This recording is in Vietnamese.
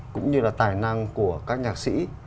cũng như là tài năng của các nhạc sĩ